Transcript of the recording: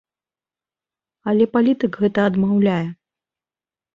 Але палітык гэта адмаўляе.